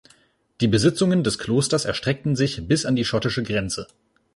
Die Besitzungen des Klosters erstreckten sich bis an die schottische Grenze.